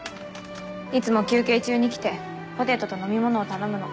いつも休憩中に来てポテトと飲み物を頼むの。